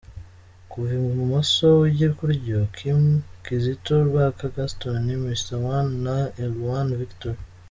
Kuva ibumoso ujya iburyo: Kim Kizito, Rwaka Gaston, Mr One na Elione Victory.